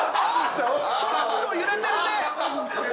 ちょっと揺れてる。